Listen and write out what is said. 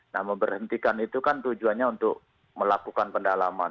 nah memberhentikan itu kan tujuannya untuk melakukan pendalaman